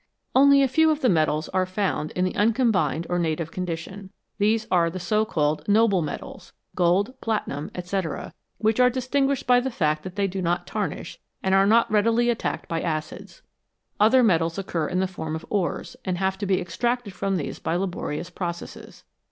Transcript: Only a few of the metals are found in the uncombined or " native " condition. These are the so called " noble " metals gold, platinum, &c. which are distinguished by the fact that they do not tarnish, and are not readily attacked by acids. Other metals occur in the form of ores, and have to be extracted from these by laborious processes.